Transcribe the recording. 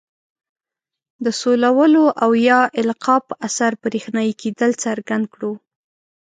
د سولولو او یا القاء په اثر برېښنايي کیدل څرګند کړو.